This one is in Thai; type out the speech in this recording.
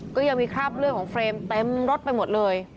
ก็ยังมีคราบเลือดของเฟรมเต็มรถไปหมดเลย